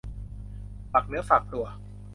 ฝากเนื้อฝากตัว